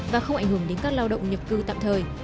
và không ảnh hưởng đến các lao động nhập cư tạm thời